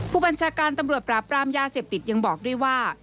ผู้บัญชาการตำรวจปราบปรามยาเสพติดยังบอกด้วยว่า